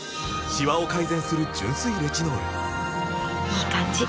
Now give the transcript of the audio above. いい感じ！